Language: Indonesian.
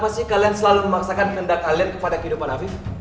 kenapa sih kalian selalu memaksakan kehendak kalian kepada kehidupan afif